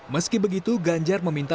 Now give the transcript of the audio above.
meski begitu ganjar memperhatikan